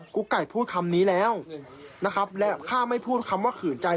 ุ๊กไก่พูดคำนี้แล้วนะครับและถ้าไม่พูดคำว่าขืนใจ